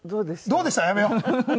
「どうでした？」はやめよう。